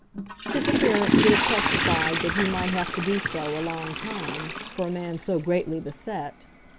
His appearance would have testified that he might have to do so a long time for a man so greatly beset.